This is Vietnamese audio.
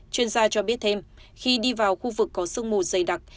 chuyên gia cho biết thêm khi đi vào khu vực có sương mù dày đặc